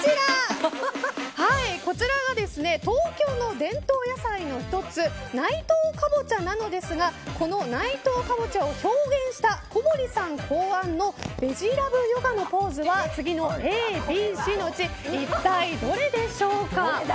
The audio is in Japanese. こちらが東京の伝統野菜の１つ内藤かぼちゃなのですがこの内藤かぼちゃを表現した小堀さん考案のベジラブヨガのポーズは次のＡ、Ｂ、Ｃのうち一体どれでしょうか。